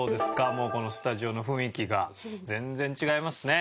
もうこのスタジオの雰囲気が全然違いますね。